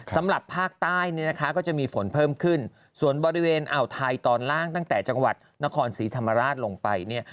สำหรับภาคใต้เนี่ยนะคะก็จะมีฝนเพิ่มขึ้นส่วนบริเวณอ่าวไทยตอนล่างตั้งแต่จังหวัดนครศรีธรรมราชลงไปเนี่ย